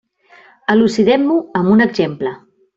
Elucidem-ho amb un exemple.